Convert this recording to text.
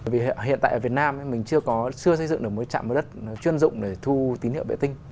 vì hiện tại ở việt nam mình chưa xây dựng được một trạm mới đất chuyên dụng để thu tín hiệu vệ tinh